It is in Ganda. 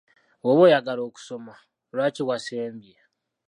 Bw’oba oyagala okusoma, lwaki wasembye?